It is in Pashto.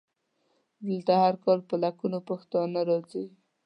دلته هر کال په لکونو پښتانه راځي.